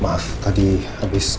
z defeat si aisyah